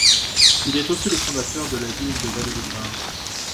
Il est aussi le fondateur de la ville de Valledupar.